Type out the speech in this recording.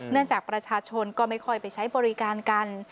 จากประชาชนก็ไม่ค่อยไปใช้บริการกัน